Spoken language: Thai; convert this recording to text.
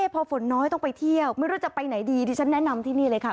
พอฝนน้อยต้องไปเที่ยวไม่รู้จะไปไหนดีดิฉันแนะนำที่นี่เลยค่ะ